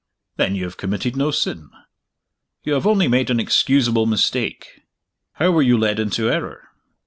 "Then you have committed no sin. You have only made an excusable mistake. How were you led into error?"